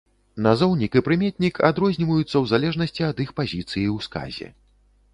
Назоўнік і прыметнік адрозніваюцца ў залежнасці ад іх пазіцыі ў сказе.